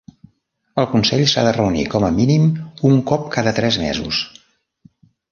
El consell s'ha de reunir com a mínim un cop cada tres mesos.